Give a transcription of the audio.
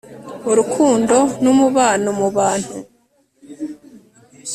urukundo n'umubano mu bantu